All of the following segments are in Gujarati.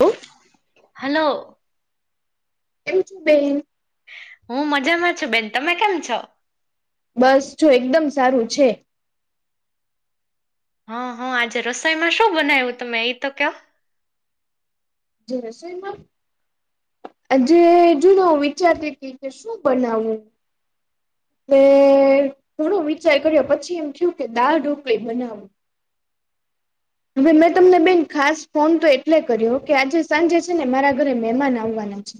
કેમ હલો [unintelligible] હું મજામાં છું બેન તમે કેમ છો? બસ જો એકદમ સારું છે. હા હા આજે રસોઈમાં શું બનાવ્યું તમે એ તો કેઓ જે રસઈમાં અજુ જુના હું વિચારતી હતી કે શું બનાવવું? મે થોડો વિચાર કર્યો પછી એમ થયું કે દાળ ઢોકલી બનાવુ હવે મેં તમને બેન ખાસ ફોન તો એટલે કર્યો કે આજે સાંજે છે ને મારા ઘરે મહેમાન આવવાના છે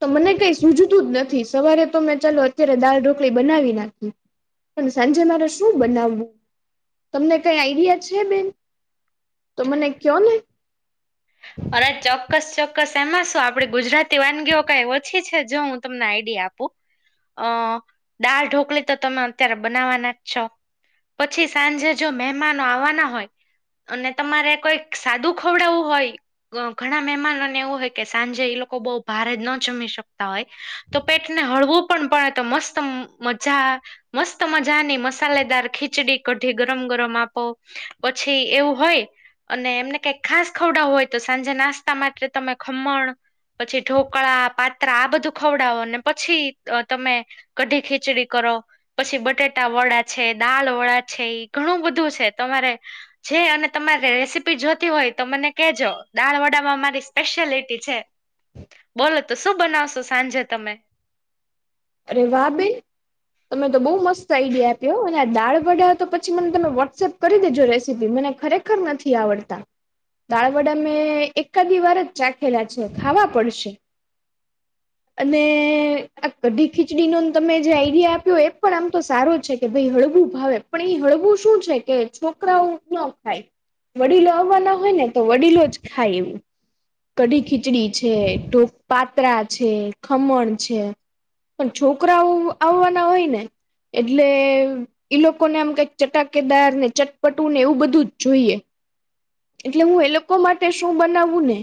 તો મને કઈ સૂજતું જ નથી સવારે તો મેં ચાલો અત્યારે દાળ ઢોકળીબનાવી નાખી. પણ સાંજે મારે શું બનાવવું, તમને કઈ આઈડિયા છે બેન તો મને કયો ને અરે ચોક્કસ ચોક્કસ એમાં શું આપડી ગુજરાતી વાનગીઓ કઈ ઓછી છે જો હું તમને આઈડિયા આપું. અ દાળ ઢોકળી તો તમે અત્યારે બનાવવાના જ છો. પછી સાંજે જો મહેમાનો આવવાના હોય અને તમારે કોઈક સાદું ખવડાવું હોય ઘણા મહેમાનોને એવું હોય કે સાંજે એ લોકો બઉ ભારે જ ન જમી શકતા હોય તો પેટને હળવું પણ પડે તો મસ્ત મજા મસ્ત મજાની મસાલેદાર ખીચડી કઢી ગરમ-ગરમ આપો પછી એવું હોય અને એમને કઈક ખાસ ખવડાવ હોય તો સાંજે નાસ્તા માટે તમે ખમણ પછી ઢોકળા, પાત્રા આ બધું ખવડાવોને પછી તમે કઢી ખીચડી કરો પછી બટેટા વડા છે, દાલ વડા છે એ ઘણું બધું છે તમારે જે અને તમારે રેસીપી જોતી હોય તો મને કેજો. દાળ વડામાં મારી સ્પેશિયાલિટી છે બોલો તો શું બનાવશો સાંજે તમે? અરે વાહ બેન! તમે તો બહુ મસ્ત આઈડિયા આપ્યો અને આ દાળ વડા તો પછી મને તમે વોટ્સએપ કરી દેજો રેસીપી મને ખરેખર નથી આવડતા. દાળ વડા મેં એકાદી વાર જ ચાખેલા છે ખાવા પડશે. અને કઢી ખીચડીનો તમે જે આઈડિયા આપ્યો એ પણ આમ તો સારો છે કે ભાઈ હળવું ભાવે પણ એ હળવું શું છે કે છોકરાઓ નો ખાય વડીલો આવવાના હોય ને તો વડીલો જ ખાય એવું કઢી ખીચડી છે, પાત્રા છે, ખમણ છે. પણ છોકરાઓ આવવાના હોય ને એટલે ઈ લોકોને આમ કઈક ચટાકેદાર ને ચટપટું ને એવું બધું જ જોઈએ. એટલે હું એ લોકો માટે શું બનાવવું ને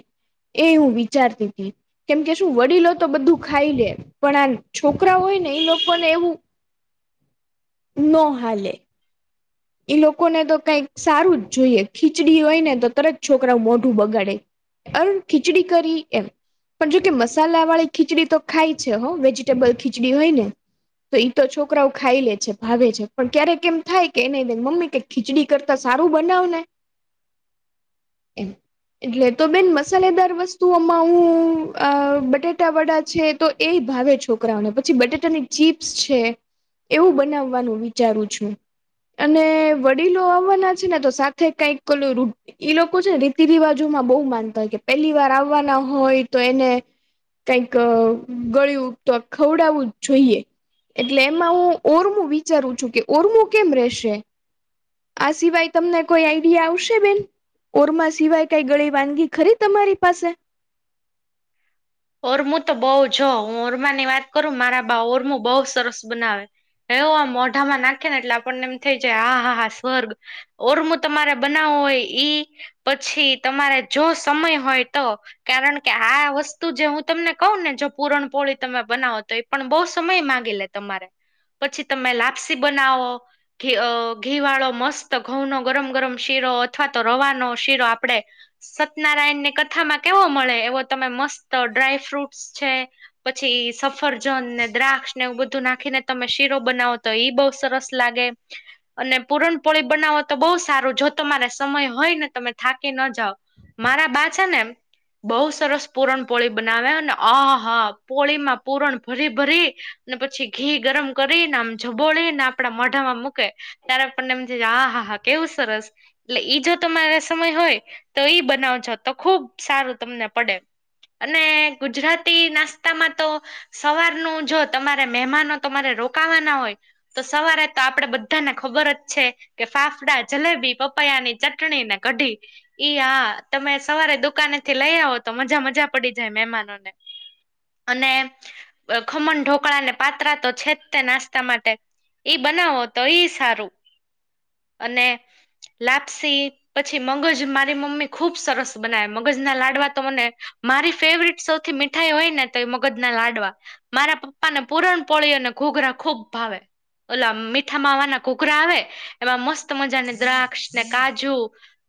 એ હું વિચારતી હતી કેમકે શું વડીલો તો બધું ખાઈ લે પણ આ છોકરા હોય ને એ લોકો ને એવું નો હાલે. એ લોકોને તો કઈક સારું જ જોઈએ ખીચડી હોય ને તો તરત છોકરાઓ મોઢું બગાડે. અરર ખીચડી કરી એમ પણ જોકે મસાલા વાળી ખીચડી તો ખાય છે હો વેજીટેબલ ખીચડી હોય ને તો ઈ તો છોકરાઓ ખાઈ લે છે ભાવે છે પણ ક્યારેક એમ થાય કે ન બે મમ્મી કે ખીચડી કરતા સારું બનાવને એમ. એટલે તો બેન મસાલેદાર વસ્તુઓમાં હું બટેટા વડા છે તો એ ભાવે છોકરાઓને, પછી બટેટાની ચીપ્સ છે એવું બનાવવાનું વિચારું છું. અને વડીલો આવવાના છે ને તો સાથે કઈક ઓલુ ઈ લોકો છે ને રીતિ રિવાજોમાં બહુ માનતા હોય કે પેલી વાર આવવાના હોય તો એને કઈક ગળું તો ખવડાવું જ જોઈએ. એટલે એમાં હું ઉર્મું વિચારું છું કે ઉર્મુ કેમ રેશે આ સિવાય તમને કોઈ આઈડિયા આવશે બેન ઓરમા સિવાય કઈ ગળી વાનગી ખરી તમારી પાસે ઓરમું તો બઉ જો હું ઓરમા ની વાત કરું મારા બા ઓરમુ બહુ સરસ બનાવે. એવ આમ મોઢામાં નાખે ને એટલે આપણને એમ થઇ જાય હા હા હા સ્વર્ગ ઓરમું તમારે બનાવવું હોય ઈ પછી તમારે જો સમય હોય તો કારણ કે આ વસ્તુ તું જે હું તમને કહું ને જો પૂરણપોળી તમે બનાવો તો એ પણ બહુ સમય મામાંગી લે તમારે પછી તમે લાપસી બનાવો. ઘી ઘીવાળો મસ્ત ઘઉં ન ગરમ ગરમ શીરો અથવા તો રવાનો શીરો આપણેે સતનારાયણ ની કથામાં કેવો મળે એવો તમે મસ્ત તો ડ્રાયફ્રૂટસ છે પછી સફરજન ને દ્રાક્ષ ને એવું બધું નાખીને તમે શીરો બનાવો તો ઈ બઉ સરસ લાગે. અને પુરણપોળી બનાવો તો બહુ સારું. જો તમારે સમય હોય ને તમે થાકી ન જાવ. મારા બા છે ને બઉ સરસ પૂરણ પોળી બનાવે. ને આહા પોળીમાં પુરણ ભરી ભરી અને પછી ઘી ગરમ કરીને આમ જબોળી ને આપણા મઢામાં મૂકે. ત્યારે આપણને એમજ આ હા હા કેવું સરસ. એટલે ઈ જો તમારે સમય હોય તો ઈ બનાવજો તો ખુબ સારું તમને પડે. અને ગુજરાતી નાસ્તામાં તો સવારનું જો તમારે મહેમાનો તમારે રોકાવાના હોય. તો સવારે તો આપડે બધાને ખબર જ છે. કે ફાફડા, જલેબી, પપૈયાની ચટણી ને કઢી. ઈ હા તમે સવારે દુકાને થી લઈ આવો તો મજા મજા પડી જાય મહેમાનોને. અને ખમણ, ઢોકળાને, પાત્રા તો છે જ તે નાસ્તા માટે. ઈ બનાવો તો ઈ સારું. અને લાપસી પછી મગજ મારી મમ્મી ખુબ સરસ બનાવે. મગજ ના લાડવા તો મને મારી ફેવરટ સૌથી મીઠાઈ હોય ને તો મગજ ના લાડવા. મારા પપ્પાને પૂરણ પોળી અને ઘોઘરા ખૂબ ભાવે. ઓલા મીઠા માવાના ઘૂઘરા આવે. એમાં મસ્ત મજાને દ્રાક્ષ ને કાજુ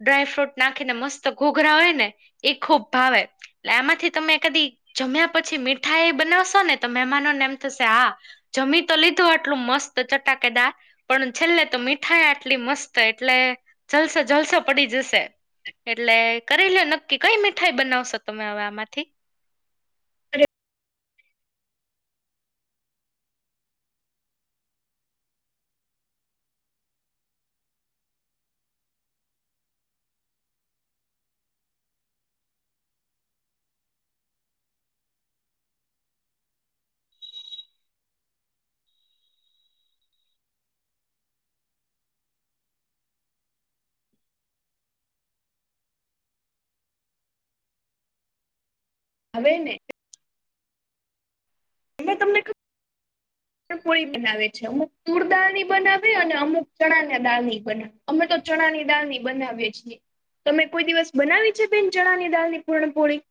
ડ્રાયફ્રૂટ નાખીને મસ્ત ઘોઘરા હોય ને એ ખૂબ ભાવે. એટલે એમાંથી તમે કદી જમ્યા પછી મીઠાઈ બનાવશો ને તો મહેમાનોને એમ થશે હા જમી તો લીધો આટલું મસ્ત ચટાકેદાર પણ છેલ્લે તો મીઠાઈ આટલી મસ્ત એટલે જલસો જલસો પડી જશે. એટલે કરી લ્યો નક્કી કઈ મીઠાઈ બનાવશો તમે હવે આમાંથી? હવે ને એં તમને પૂળી બનાવે છે. અમુક તૂળ દાળ ની બનાવે અને અમુક ચણા ના દાળ ની બનાવે. અમે તો ચણા ની દાળ ની બનાવીએ છીએ. તમે કોઈ દિવસ બનાવી છે, બેન ચણાની દાળની પૂરણપોળી?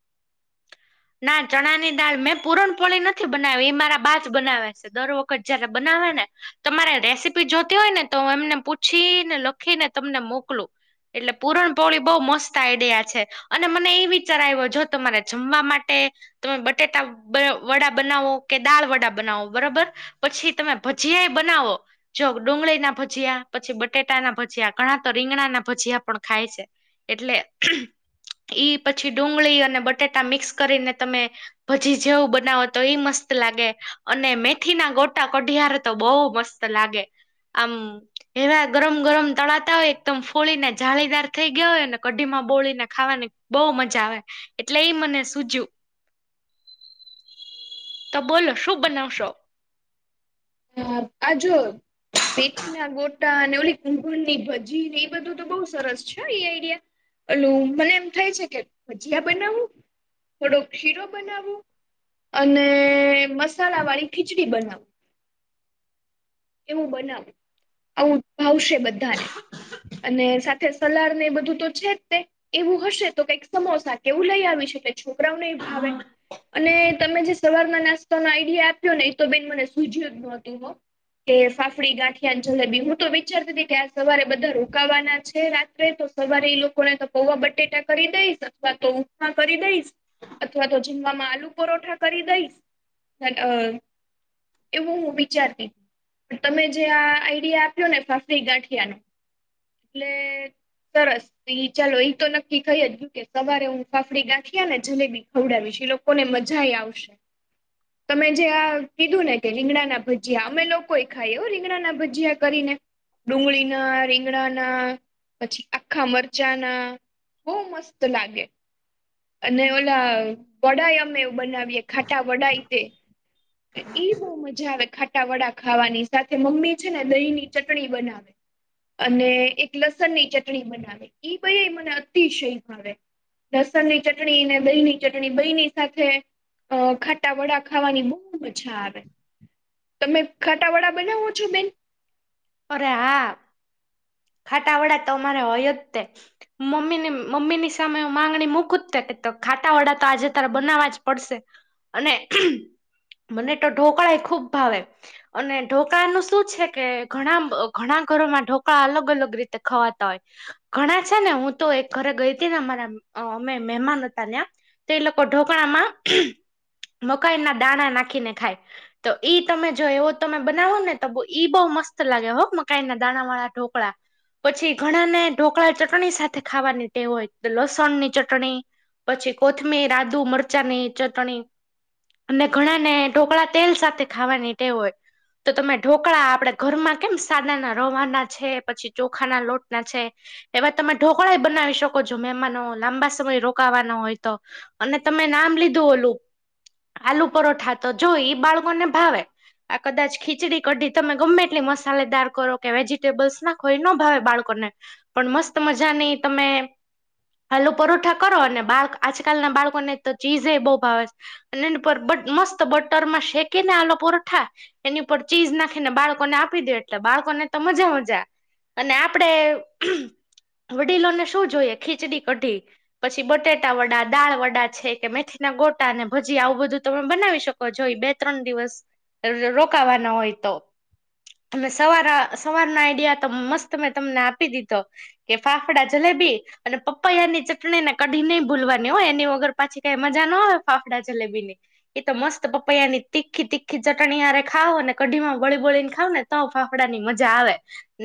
ના ચણાની દાળ મેં પૂરણપોળી નથી બનાવી. એ મારા બાજ બનાવે છે દર વખત જયારે બનાવે ને. તમારે રેસીપી જોતી હોય ને તો એમને પૂછીને લખીને તમને મોકલું. એટલે પુરણપોળી બહુ મસ્ત આઈડીયા છે. અને મને એ વિચાર આવ્યો જો તમારે જમવા માટે તમે બટેટા વડા બનાવો, કે દાળ વડા બનાવો બરોબર પછી તમે ભજીયાઈ બનાવો. જો ડુંગળી ના ભજીયા, પછી બટેટા ના ભજીયા, ઘણા તો રીંગણા ના ભજીયા પણ ખાય છે. એટલે ઈ પછી ડુંગળી અને બટેટા મિક્સ કરીને તમે પછી જેવું બનાવો તો ઈ મસ્ત લાગે. અને મેથી ના ગોટા કઢિયાર તો બહુ મસ્ત લાગે. આમ એવા ગરમ ગરમ તળાતા હોય, એકદમ ફોળી ને જાળીદાર થઈ ગયા હોય ને, કઢીમાં બોળીને ખાવાની બઉ મજા આવે. એટલે એ મને સૂજ્યું. તો બોલો શું બનાવશો? હ આ જો મેથી ના ગોટા અને ઓલી કુંકળ ની ભજીને એ બધું તો બહુ સરસ છે, એ આઈડિયા એલું મને એમ થાય છે કે ભજીયા બનાવું, થોડોક શીરો બનાવવું. અને મસાલા વાળી ખીચડી બનાવુ. એવું બનાવું આવું ભાવશે બધાને અને સલાડ ને એ બધું તો છે જ ને. એવું હશે તો કઈક સમોસા કેવું લઈ આવિશકાય છોકરાઓને ભાવે અને તમે જે સવારના નાસ્તાનો આઈડિયા આપ્યો ને એ તો બેન મને સૂજ્યું જ નોતું હ કે ફાફડી ગાંઠિયાની જલેબી હું તો વિચારતી હતી કે આ સવારે બધા રોકાવાના છે રાત્રે તો સવારે એ લોકો ને તો પૌવા બટેટા કરી દઈશ અથવા તો ઉપમા કરી દઈશ અથવા તો જમવામાં આલુ પરોઠા કરી દઈશ એવું હું વિચારતી તમે જે આ આઈડિયા આપ્યો ને ફાફરી ગાંઠિયા નો એટલે સરસ ચાલો એ તો નક્કી થઈ જ કે સવારે હું ફાફડી ગાંઠીયા ને જલેબી ખવડાવીશ લોકોને મજા આવશે તમે જે આ કીધું ને કે રીંગડાના ભજીયા અમે લોકો કોઈ ખાય રીંગણાના ભજીયા કરીને ડુંગળીના રીંગણાના પછી આખા મરચાંના બોહ મસ્ત લાગે અને ઓલા વડા અમે એવ બનાવીએ ખાટા વડા તે એઇ બહુ મજા આવે ખાટા વડા ખાવાની સાથે મમ્મી છે ને દહીં ની ચટણી બનાવે અને એક લસણની ચટણી બનાવે એ બી મને અતિશય ભાવે લસણની ચટણી ને દહીની ચટણી દહીની સાથે અ ખાટા વડા ખાવાની બહુ મઝા આવે તમે ખાટાવડા બનાવો છો બેન અરે હા ખાટા વડા તો અમારે હોય જ તે મમ્મી મમ્મીની સામે માંગણી મૂકુજ કે ખાટાવાડા તો આજે તારે બનાવવા જ પડશે અને મને તો ઢોકળાએ ખુબ ભાવે અને ઢોકળા નું શું છે કે ઘણા ઘણા ઘરોમાં ઢોકળા અલગ અલગ રીતે ખવાતા હોય ઘણા છે ને હું તો એક ઘરે ગઈ હતી ને અમારા અમે મહેમાન હતા ત્યા તો એ લોકો ઢોકણાામાં મકાઈના દાણા નાખીને ખાય તો ઈ તમે જો એવો તમે બનાવો ને તો ઈ બહુ મસ્ત લાગે હો મકાઈના દાણાવાળા ઢોકળા પછી ઘણાને ઢોકળા ચટણી સાથે ખાવાની ટેવ હોય લસણની ચટણી પછી કોથમીર આદુ મરચાંનીચટણી અને ઘણાને ઢોકળા તેલ સાથે ખાવાની ટેવ હોય તો તમે ઢોકળા આપણે ઘરમાં કેમ સાનાના રવાના છે પછી ચોખાના લોટ ના છે એવા તમે ઢોકળા બનાવી શકો છો મહેમાનો લાંબા સમય રોકાવાનો હોય તો અને તમે નામ લીધું ઓલું આલુ પરોઠા તો જોય બાળકો ને ભાવે આ કદાચ ખીચડી કઢી તમે ગમે કેટલી મસાલેદાર કરો કે વેજિટેબલ્સ નાખોઈ ન ભાવે બાળકોને પણ મસ્ત મજાની તમે હાલું પરોઠા કરો અને બાળ આજકાલના બાળકો ને તો ચીઝએ બહુ ભાવે છે અને એની પર મસ્ત બટરમાં શેકેને આલો પરઠા એની ઉપર ચીઝ નાખીને બાળકો ને આપી દે એટલે બાળકોને તો મજા મજા અને આપડે વડીલો ને શું જોઈએ ખીચડી કઢી પછી બટેટા વડા દાળ વડા છે કે મેથી ના ગોટા અને ભજી આવું બધું તમે બનાવી શકો જોઈ બે ત્રણ દિવસ રોકાવાના હોય તો અ સવાર સવારના આઈડિયા તો મસ્ત મેં તમને આપી દીધો કે ફાફડા જલેબી અને પપૈયાની ચટણીને કઢી નઈ ભૂલવાની હોય એની વગર પાછી કઈ મજા ના આવે ફાફડા જલેબી ની એ તો મસ્ત પપૈયા ની તીખી તીખી ચટણી હારે ખાઓ અનેને કઢીમા બોડી બોડી ને તાવ ફાફડા ની મજા આવે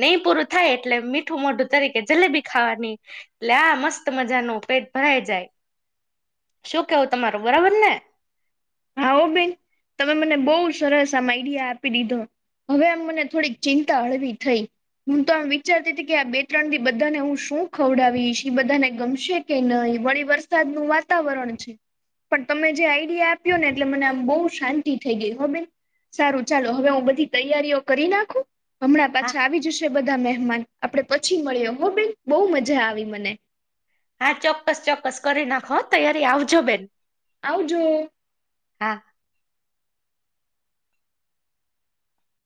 નહી પૂરું થાય એટલે મીઠું મોઢું તરીકે જલેબી ખાવાની એટલે આ મસ્ત મજાનુ પેટ ભરાઈ જાય શું કેવું તમારું બરાબર ને હા હો બેન તમે મને બહુ સરસ આમ આઈડિયા આપી દીધો હવે આમ મને થોડીક ચિંતા હળવી થઈ હું તો આમ વિચારતી હતી કે આ બે ત્રણ થી બધાને હું શું ખવડાવીશ કે બધાને ગમશે કે નહી વળી વરસાદ નું વાતાવરણ છે પણ તમે જે આઈડિયા આપી આપ્યો ને એટલે મને આમ બહુ શાંતિ થઈ ગઈ હો બેન સારું ચાલો હવે હું બધી તૈયારીઓ કરી નાખું હમણાં હા પાછા આવી જશે બધા મહેમાન આપડે પછી મળ્યો હો બેન બહુ મજા આવી મને હા ચોક્કસ ચોક્કસ કરી નાખો તૈયારી આવજો બેન આવ જો હા